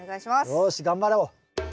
よし頑張ろう。